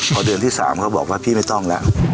พอเดือนที่๓เขาบอกว่าพี่ไม่ต้องแล้ว